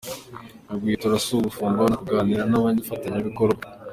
Ni uguhwitura si ugufunga; ni ukuganira n’abafatanyabikorwa.